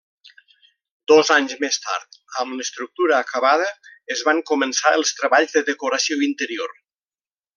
Dos anys més tard, amb l'estructura acabada, es van començar els treballs de decoració interior.